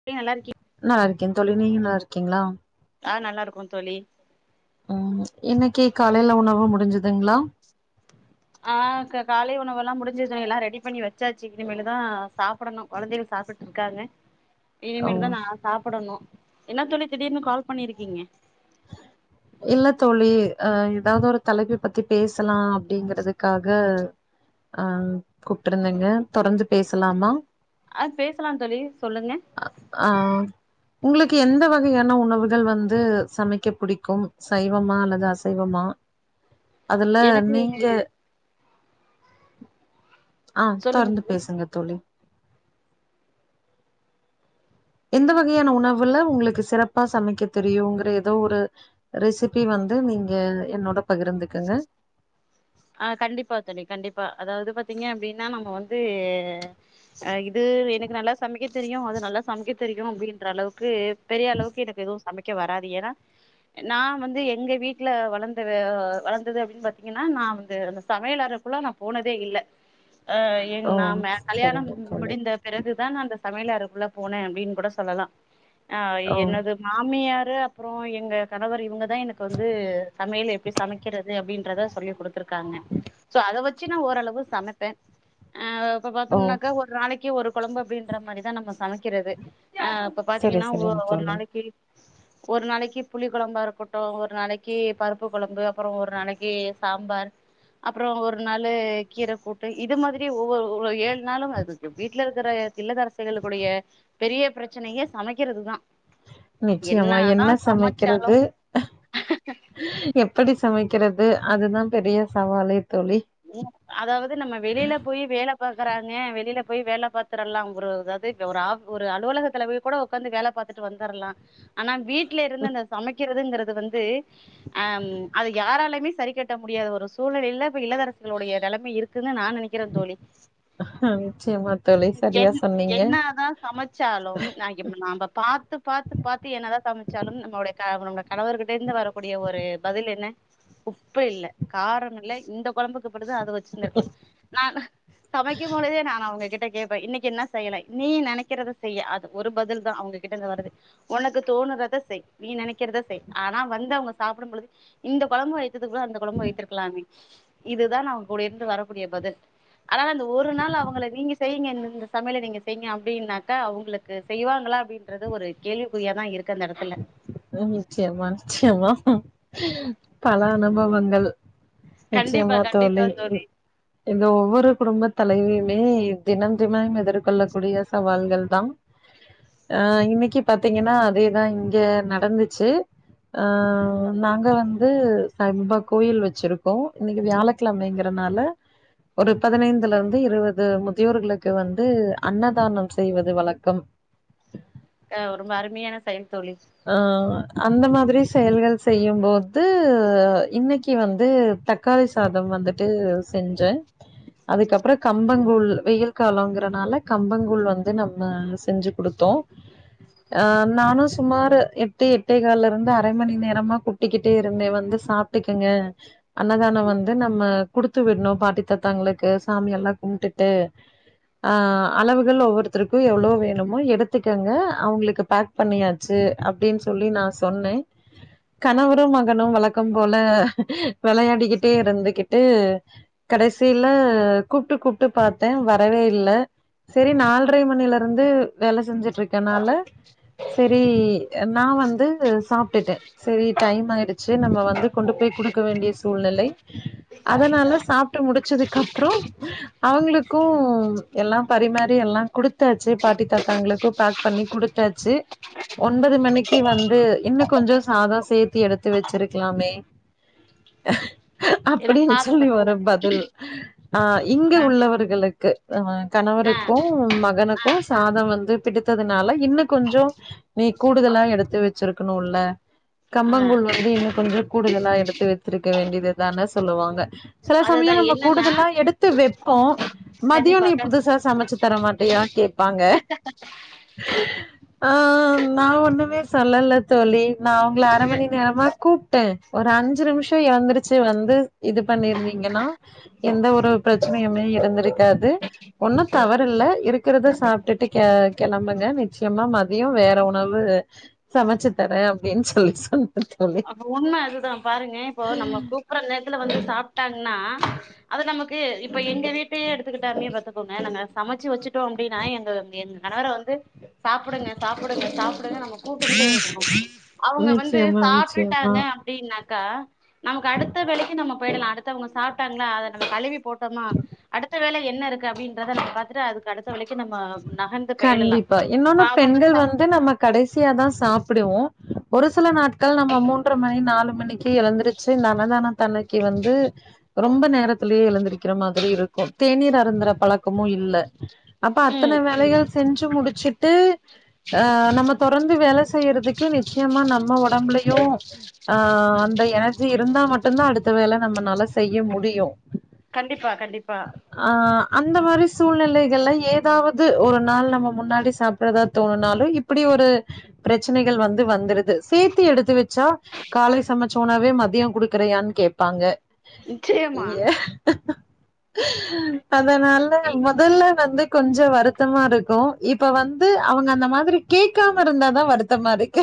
எப்டி நல்லா இருக்கீங் நல்லாருகே தோழி நீங்க நல்லா இருக்கீங்களா ஆ நல்லா இருக்கோ தோழி ஆமா இன்னைக்கு காலேல உணவு முடிஞ்சுதுங்ளா ஆ கா காலை உணவெல்லாம் முடிஞ்சுச்சு எல்லா ரெடி பண்ணி வச்சாச்சு இனிமேலு தான் சாப் சாப்டன்னும் குழந்தைகள் சாப்டுட்டு இருக்காங்க ஓ இனிமேலு தான் நா சாப்டோணு என்ன தோழி திடீர்னு கால் பண்ணியிருக்கீங்க இல்ல தோழி அ எதாவ ஒரு தலைப்பு பத்தி பேசலாம் அப்டிங்குறதுக்காக அ கூப்டு இருந்தீங்க தொடர்ந்து பேசலாமா ஆ பேசலாம் தோழி சொல்லுங்க அ ஆ உங்களுக்கு எந்த வகயான உணவுகள் வந்து சமைக்க புடிக்கும் சைவமா அல்லது அசைவமா அதுல எனக்கு நீங்க ஆ சொல்லுங்க தொடர்ந்து பேசுங்க தோழி எந்த வகயான உணவுல உங்ளுக்கு சிறப்பா சமைக்க தெரியுங்ற ஏதோ ஒரு ரெசிபி வந்து நீங்க என்னோட பகிர்ந்துக்கொங்க ஆ கண்டிப்பா தோழி கண்டிப்பா அதாவது பாத்தீங்க அப்டின்னா நம்ம வந்து அ இது எனக்கு நல்லா சமைக்க தெரியும் அது நல்லா சமைக்க தெரியும் அப்டின்ற அளவுக்கு பெரிய அளவுக்கு எனக்கு எதுவு சமைக்க வராது ஏன்னா நா வந்து எங்க வீட்ல வளந்த வ வளந்தது அப்டின்னு பாத்தீங்கன்னா நா வந்து அந்த சமயல் அறக்குள்ள நா போனதே இல்ல ஆ ஏ ஓ நாம கல்யாணம் சரிங்க தோழி முடிந்த பிறகுதான் நா அந்த சமயல் அறக்குள்ள போனன் அப்டின்னு கூட சொல்லலாம் ஆ ஓ என்னது மாமியாரு அப்புறம் எங்க கணவர் இவுங்கதான் எனக்கு வந்து சமயல் எப்டி சமைக்க கிறது அப்டீன்றத சொல்லி் குடுத்துருக்காங்க சோ அத வச்சு நா ஓரளவு சமைப்பன் ஆ இப்ப ஓ பாத்தோம்னாக்கா ஒரு நாளைக்கு ஒரு கொழம்பு அப்டின்ற மாரிதான் நம்ம சமைக்க கிறது அ இப்ப சரி பாத்தீங்கன்னா ஓ சரிங்க ஒரு தோழி நாளைக்கு ஒரு நாளைக்கு புளி கொழம்பா இருக்கட்டும் ஒரு நாளைக்கு பருப்பு கொழம்பு அப்றோம் ஒரு நாளைக்கு சாம்பார் அப்றோம் ஒரு நாளு கீர கூட்டு இது மாதிரி ஒவ்வொரு ஒவ்வொரு ஏழு நாளும் அது இப்ப வீட்ல இருக்ற இல்லதரிசைகளுக்குடைய பெரிய பிரச்சனயே சமக்கிறதுதா நிச்சியமா என்ன சமைக்குறது எப்படி சமைக்குறது அதுதான் பெரிய சவாலே தோழி அதாவது நம்ம வெளில போய் வேல பாக்குறாங்க வெளில போய் வேல பாத்துரலாம் கூட எதாது ஒரு அ ஒரு அலுவலகத்துல கூட உக்காந்து வேல பாத்துட்டு வந்தரலாம் ஆனா வீட் ட்ல இருந்து அந்த சமைக்கிறதுங்குறது வந்து அம் அத யாராலுமே சரி கட்ட முடியாத ஒரு சூழ்நிலைல்ல இப்ப இல்லத்தரசி சிகளுடைய நெலமை இருக்குன்னு நா நெனைக்கிறேன் தோழி ஆ நிச்சியமா தோழி சரியா சொன்னீங்க சமச்சாலும் நா எம் நாம்ப பாத்து பாத்து பாத்து என்னதான் சமச்சாலும் நம்மளுடைய கவுங்க கணவர் கிட்ட இருந்து வரக்கூடிய ஒரு பதில் என்ன உப்பு இல்ல காரோம் இல்ல இந்த குழம்புக்கு போடுறது அத வச்சுருந்திருக்கலாம் நானு சமைக்கு பொழுதே நான் அவங்க கிட்ட கேப்பேன் இன்னைக்கு என்ன செய்யனு நீ நெனக்கிறத செய் அது ஒரு பதில் தான் அவுங்க கிட்டந்து வருது ஒனக்கு தோணுறத செய் நீ நினக்கிறத செய் ஆனா வந்து அவுங்க சாப்டும் பொழுது இந்த கொழம்பு வைக்குறதுக்கு கூட அந்த கொழம்ப வைத்திருக்கலாமே இதுதான் நா அவுங்க கூட இருந்து வரக்கூடிய பதில் ஆனால அந்த ஒரு நாள் அவுங்கள நீங்க செய்ங்க இந்தெந்த சமயல நீங்க செய்ங்க அப்டின்னாக்கா அவுங்ளுக் க்கு செய்வாங்ளா அப்டின்றது ஒரு கேள்விக்குறியாதா இருக்கு அந்த எடத்துல நிச்சியமா நிச்சியமா பல அனுபவங்கள் கண்டிப்பா நிச்சியமா கண்டிப்பா தோழி இந்த ஒவ்வொரு குடும்பத் தலைவியுமே தினம்தினோ எ திர்கொள்ளக்கூடிய சவால்கள் தா ஆ இன்னக்கி பாத்தீங்கன்னா அதேதா இங்க நடந்துச்சு ஆ நாங்க வந்து சாய் பாபா கோயில் வச்சிருக்கோ இன்னக்கி வியாழ க்ழமைங்கறனால ஒரு பதினைந்துலந்து இருவது முதியோர்களுக்கு வந்து அன்னதானம் செய்வது வழக்கம் ஆ ரொம்ப அருமயான செயல் தோழி ஆ அந்த மாதிரி செயல்கள் செய்யம்போது இன்னக்கி வந்து த க்காளி சாதம் வந்துட்டு செஞ்சே அதுக்கப்றோ கம்பங்கூழ் வெயில் காலோங்றனால கம்பங்ககூழ் வந்து நம்ம செஞ்சு குடுத்தோ ஆ நானு சுமாரு எட்டு எட்டே கால்லருந்து அரை மணி நேரமா குட்டிக்கிட்டே இருந்தே வந்து சாப்ட்டுக்கங்க அன்னதானோ வந்து நம்ம குடுத்து விட்னு பாட்டித் தாத்தாங்களுக்கு சாமியெல்லா கும்ட்டுட்டு ஆ அளவுகள் ஒவ்வொருத்தருக்கு எவ்ளோ வேணுமோ எடுத்துக்கங்க அவுங்களுக்கு பேக் பண்ணியா ச்சு அப்டின் சொல்லி நா சொன்னே கணவரு மகனு வழக்கம் போல வெளயாடிக்கிட்டே இருந்துகிட்டு கடைசில கூப்ட்டு கூப்ட்டு பாத்தே வரவே இல்ல செரி நால்ட்ரை மணிலருந்து வேல செஞ்சுட்ருக்கன்னால [unintelligible] செரி நா வந்து சாப்ட்டுட்டே செரி டைம்மாய்டுச்சு நம்ப வந்து கொண்டு போய் குடுக்க வேண்டிய சூழ்நிலை அதனால சாப்ட்டு முடிச்சதுக்கப்றோ அவுங்ளுக்கு எல்லா பரிமாறி எல்லா குடுத்தாச்சு பாட்டி தாத்தாங்ளுக்கு பேக் பண்ணி குடுத்தாச்சு ஒன்பது மணிக்கி வந்து இன்னு கொஞ்சோ சாதோ சேத்தி எடுத்து வச்சிருக்லாமே அ ஏன்னா அப்டின் சாதோ சொல்லி பத்தல ஒரு பதில் ஆ இங்க ஆ உள்ளவர்களுக்கு ஆ ஆ கணவருக்கு மகனுக்கு சாதோ வந்து பிடித்ததுனால இன்னு கொஞ்சோ நீ கூடுதலா எடுத்து வச்சிருக்கணுல ஆ கம்பங்கூழ் வந்து இன்னு கொஞ்சோ கூடுதலா எடுத்து வச்சிருக்க வேண்டியது தானே சொல்லுவாங்க சில சமயோ அதுதா நம்ப என்னன்னா கூடுதலா எடுத்து வெப் போ மதியோ கண்டிப்பா நீ க புதுசா சமச்சு தர மாட்டியா கேப்பாங்க ஆ நா ஒன்னுமே சொல்லல தோழி நா உங்கள அர இது மணி நேரமா கூப்டே ஒரு அஞ்சு நிம்ஷோ எழுந்திருச்சு வந்து இது பண்ணிருந்தீங்கன்னா எந்த ஒரு பிரச்சனயுமே இருந்திருக்காது ஒன்னு தவறில்ல இருக்றத சாப்ட்டுட்டு கெ கெளம்புங்க நிச்சயமா ம தியோ வேற உணவு சமச்சு தரே அப்டின் சொல்லி சொன் அப்ப உண்ம அதுதா பாருங்க இப்போ நம்ம கூப்புற நேரத்துல வந்து சாப்ட்டாங்ன்னா அது நமக்கு இப்ப எங்க வீட்டயே எடுத்துக்கிட்டாமி பாத்துக்கோங்க நாங்க சமச்சு வச்சுட் டோ அப்டின்னா எங்க எங் கணவர வந்து சாப்புடுங்க சாப்புடுங்க சாப்புடுங்க நம்ம கூப்டுகுட்டே இருக்கணு அவுங்க வந்து நிச்சயமா நிச்சயமா சாப்ட்டுட்டாங்க அப்டின்னாக்கா நமக்கு அடுத்த வேலைக்கு நம்ம போய்டலா அடுத்தவங்க சாப்ட்டாங்ளா அத நம்ம கழுவி போட்டோமா அடுத்த வேல என்ன இருக்கு அப்டின்றத நம்ம பாத்துட்டு அதுக்கு அடுத்த வேளைக்கு நம்ம நகர்ந்து போயிடலா கண்டிப்பா இப்ப இன்னொன்னு அவங்க பெண்கள் சா வந்து நமக் கடைசியாதா சாப்புடுவோ ஒரு சில நாட் கள் நம்ம மூண்ற மணி நாலு மணிக்கு எழுந்திருச்சு இந்த அன்னதானத் தன்னைக்கி வந்து ரொம்ப நேரத்துலயே எழுந்திரி கிறமாதிரி இருக்கு தேநீர் அருந்துறப்பழக்கமு இல்ல அப்ப ம் அத்தன ம் வேலைகள் செஞ்சு முடிச்சுட்டு ஆ நம்ம தொடர்ந்து வேல செய்யறதுக்கு நிச்சியமா நம்ம ஒட ஒடம்புலயு ஆ அந்த எனர்ஜி இருந்தாமட்டுதா அடுத்த வேல நம்ம நால செய்ய முடியு கண்டிப்பா கண்டிப்பா ஆ அந்தமாரி சூழ்நிலைகள்ல ஏதாவது ஒரு நாள் நம்ம முன்னாடி சாப்ட்றதா துங்கனாலு இப்டி ஒரு ப்ரச்சனைகள் வந்து வந்துருது சேத்தி எடுத்து வெச் சா காலை சமச்ச உணவே மதியோ குடுக்கறியான் கோப்பாங்க நிச்சயமா ஏ அதனால இ மொதல்ல வந்து கொஞ்சோ வருத் தமா இருக்கு இப்ப வந்து அவுங்க அந்த மாதிரி கேக்காம இருந்தாதா வருத்தமா இருக்கு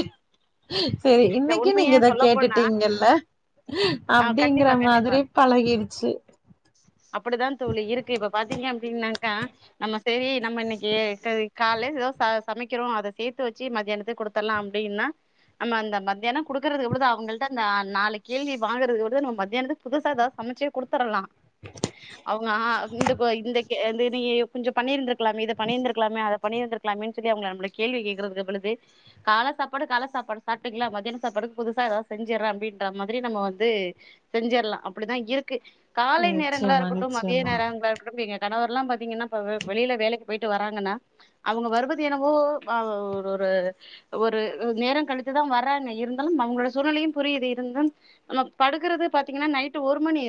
சேரி இந்த இன்னிக்கி நீங்க உண்மைய இத சொல்ல போனா கேட்டுடீங்கல்ல ஆ அப்டிங்கற கண்டிப்பா கண்டிப்பா மாதிரி பழகிருச்சு அப்டிதா தோழி இருக்கு இப்ப பாத்தீங்க அப்டினாக்கா நம்ம சேரி நம்ம இன்னிக்கி க கால்லே எதோ ச சமைக்கிறோ அத சேத்து வெச்சு மத்தியானத்துக்கு குடுத் இதலா அப்டின்னா நம்ம அந்த மத்தியானோ குடுக்கறது எப்டிதா அவுங்கள்ட அந்த நாலு கேள்வி வாழறதுவுட நம்ம மத்தியானத்துக் புதுசா எதா சமச்சே குடுத்தறலா அவுங்க ஆ இந்த போய் இந்த அந்த இது நீங்க கொஞ்சோ பண்ணிருந்திருக்கலாமே இத பண்ணிருந்திருக்கலாமே அத பண்ணிருந்திருக்லாமேன் சொல்லி அவுங்கள நம்மள கேள்வி கேக்கறதுகு பொழுது கால சாப்பாடு கால சாப்பாடு சாப்ட்டுக்ளா மதியான சாப்பாடுக் புதுசா எதா செஞ்சிற்றே அப்டின்றமாதிரி நம்ம வந் து செஞ்சற்லா அப்டிதா இருக்கு காலை நேரேங்களா நிச்சயமா, இருகட்டு மதிய நிச்சயமா, நேரங்களா இருகட்டு பிரியா கணவர்லா பாத்தீங்கன்னா இப்ப வெளில வேலைக்கு போய்ட்டு வராங்கன்னா அவுங்க வருவது என்னவோ ஆ ஒரு ஒரு ஒரு நேரம் கழித்துதா வராங்க இருந்தாலு அவுங்களோட சூழ்நிலையு புரிது இருந்தும் நம்ம படுக்குறது பாத்தீங்கன்னா நைட்டு ஒரு மணி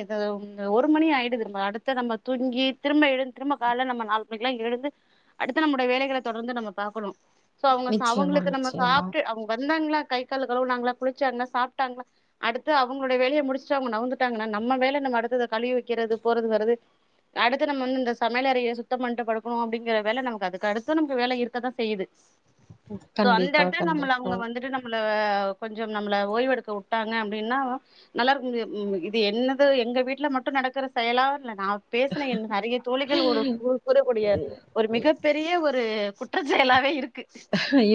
ஒரு மணி ஆய்டுது நம்ப அடுத்த நம்ம துங்கி திரும்ப எழுது திரும்ப கால்ல நம்ம நாலு மணிக்குலா எழுந்து அடுத்து நம்முடைய வேலைகள தொடர்ந்து நம்ம பாக்கணும் சோ அவுங்க சா நிச்சயமா, அவுங்களுக்கு நம்ம நிச்சயமா. சாப்ட்டு அவுங்க வந்தாங்களா கை கால் கலுவுனாங்களா குளிச்சாங்களா சாப்ட்டாங்களா அவுங்களுடைய வேலைய முடிச்சுட்டு அவுங்க நவுந்துட்டாங்கன்னா நம்ம வேல நம்ம அடுத்தத கழுவி வெக்கிறது போறது வரது அடுத்து நம்ம வந்து இந்த சமையலறைய சுத்தோ பண்ட்டு படுக்கணு அப்டிங்கிற வேல நமக்கு அதுக்கு அடுத்து நமக்கு வேல இருக்கதா செய்து ம், சோ அந்த கண்டிப்பா, எடத்து நம்மள அவுங்க கண்டிப்பா. வந்துட்டு நம்மள கொஞ்சோ நம்மள ஓய்வெடுக்க உட்டாங்க அப் டினா நல்லாருக்கமுடியு இது என்னது எங்க வீட்ல மட்டு நடக்கற செயலா இல்ல நா பேசனா என் நறைய தோழிகள் ஒட கூறக்கூடிய ஒரு மிகபெரிய ஒரு குற்றசெயலாவே இருக்கு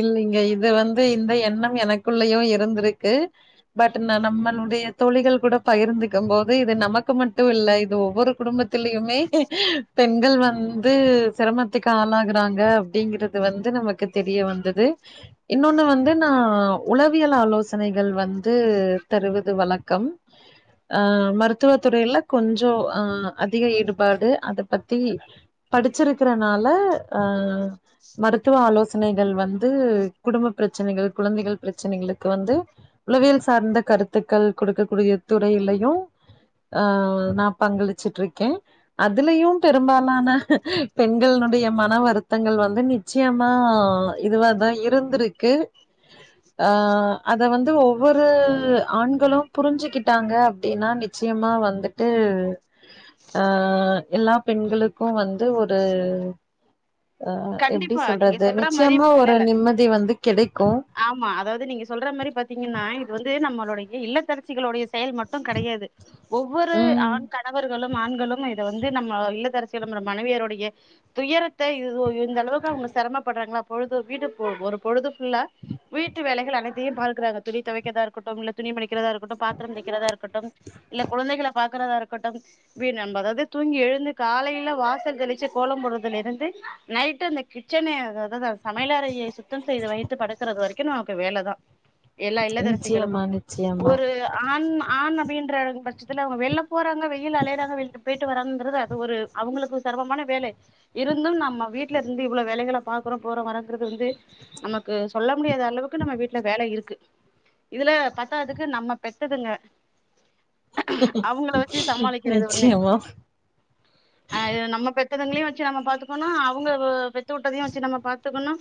இல்லைங்க இது வந்து இந்த எண்ணம் எனக்குள்ளயு இருந்திருக்கு பட் நா நம்மளுடைய தோழிகள்கூட பகிர்ந்துக்கபோது இது நமக்கு மட்டு இல்ல இது ஒவ்வொரு குடும்பத்திலியுமே பெண்கள் வந்து சிரமத்துக்கு ஆளாகறாங்க அப்டிங்கறத வந்து நமக்கு தெரிய வந்தது இன்னொன்னு வந்து நா உளவியல் ஆலோசனைகள் வந்து தருவது வழக்கம் ஆ மருத்துவ துறையில கொஞ்சோ‌ ஆ அதிக ஈடுபாடு அத பத்தி படிச்சிருக்கிறனால ஆ மருத்துவ ஆலோசனைகள் வந்து குடும்ப பிரச்சனைகள் குழந்தைகள் பிரச்சனைகளுக்கு வந்து உளவியல் சார்ந்த கருத்துக்கள் குடுக்கக்க கூடிய துறைையிலையு ஆ நா பங்களிச்சிட்டு இருக்கே அதுலையு பெரும்பாலான பெண்கள்னுடைய மன வருத்தங்கள் வந்து நிச்சயமா ஆ இதுவாதா இருந்துருக்கு ஆ அத வந்து ஒவ்வொரு ஆண்களு புரிஞ்சிக்கிட்டாங்க அப்டின்னா நிச்சயமா வந்து உவு ஆ எல்லா பெண்களுக்கு வந்து ஒரு அ எப்டி கண்டிப்பா நீங்க சொல்றது சொல்ற மாரி நிச்சயமா இல்ல ஒரு இல்ல நிம்மதி வந்து கிடைக்கு ஆமா அதாவது நீங்க சொல்ற மாரி பாத்தீங்ன்னா இது வந்து நம்மளுடைய இல்லத்தரசிகளுடைய செயல் மட்டு கெடையாது ஒவ்வொரு ம் ஆண் [inaudible] கணவர்களும் ஆண்களும் இத வந்து நம்ம இல்லதரசியளும் மனைவியருடைய துயரத்தை இது ந்த அளவுக்கு அவங்க சிரமப்படுறாங்களா பொழுது வீடு ஒரு பொழுதுஃபுல்லா வீட்டு வேலைகள் அனைத்தையும் பார்க்கிறாங்க துணி துவைக்கிறத இருக்கட்டு இல்ல துணி மடிக்கிறதா இருக்கட்டும் பாத்திர தேய்கிறதா இருக்கட்டும் இல்ல குழந்தைகளை பாக்குறதா இருக்கட்டும் வீண் நண்ப அதாவது தூங்கி எழுந்து காலையில வாசல் தெளிச்சு கோலம் போடுறதுல இருந்து நைட்டு அந்த கிச்சன அதாவது ந்த சமையலறையை சுத்தம் செய்து வைத்து படுக்கறது வரைக்கு நமக்கு வேல தா எல்லா நிச்சயமா இல்லதரசிகளுக்கும் நிச்சயமா ஒரு ஆண் ஆண் அப்டின்ற பட்சத்துல அவங்க வெளில போறாங்க வெயில் அலையறாங்க வெளில போயிட்டு வராங்ககிறது அது ஒரு அவங்களுக்கு சிரமமான வேலை இருந்தும் நம்ம வீட்டுல இருந்து இவ்ள வேலைகளை பாக்குறோ போறோ வரங்கிறது வந்து நமக்கு சொல்ல முடியாத அளவுக்கு நம்ம வீட்டுல வேலை இருக்கு இதுல பத்தாதுக்கு நம்ம பெத்ததுங்க அவங்கள வச்சு சமாளிக்கிறது ஒன்னு நிச்சயமா அ இது நம்ம பெத் த்ததுங்களையு வச்சு நம்ம பாத்துக்கணு அவங்க பெத்து உட்டதையு வச்சு நம்ம பாத்துக்கணு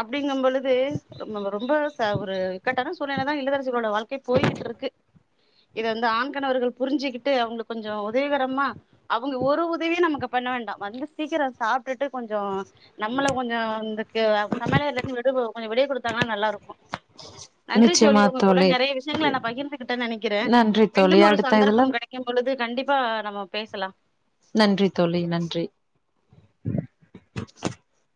அப்டிங்க பொழுது ரொம்ப ஒரு இக்கட்டான சூழ்நிலை தா இல்லதரசிகளோட வாழ்க்கை போய்கிட்டு இருக்கு இத வந்து ஆண்கணவர்கள் புரிஞ்சுக்கிட்டு அவங்களுக்கு கொஞ்சோ உதவிகரமா அவங்க ஒரு உதவியு நமக்கு பண்ண வேண்டா வந்து சீக்கிர சாப்பிட்டுட்டு கொஞ்சோ நம்மள கொஞ்சோ இந்தக்கு சமையல்கட்டுலருந்து விடு கொஞ்சோ விடை கொடுத்தாங்கன்னா நல்லாருக்கு நன்றி தோழி உங்க கூட நெறைய விஷயங்களே நா பகிர்ந்துகிட்டேன்னு நெனைக்கிறே நன்றி தோழி மீண்டும் ஒரு அடுத்த இதுல சந்தர்ப்பம் கிடைக் கும் பொழுது கண்டிப்பா நம்ம பேசலா நன்றி தோழி நன்றி [inaudible]